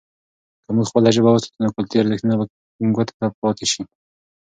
که موږ خپله ژبه وساتو، نو کلتوري ارزښتونه به ګوته ته پاتې سي.